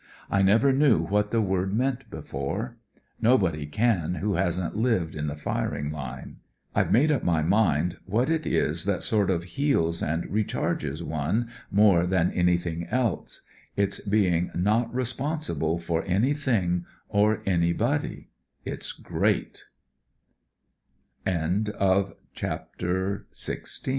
I never knew what the word meant before. Nobody ctn who hasn't lived in the firing line. I've made up my mind what it is that sort of heals and recharges one more than any thing else — it's being not responsible for anjrthing or an